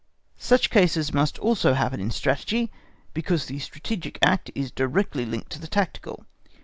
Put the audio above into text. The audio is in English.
Such cases must also happen in Strategy, because the strategic act is directly linked to the tactical.